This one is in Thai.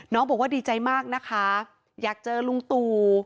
น้องบอกว่าดีใจมากนะคะอยากเจอลุงตู่